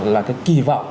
là cái kỳ vọng